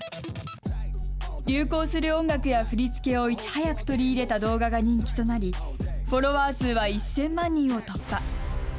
流行する音楽や振り付けをいち早く取り入れた動画が人気となり、フォロワー数は１０００万人を突破。